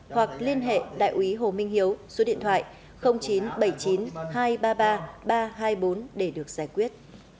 hoặc liên hệ đại úy hồ minh hiếu số điện thoại chín trăm bảy mươi chín hai trăm ba mươi ba ba trăm hai mươi bốn để được giải quyết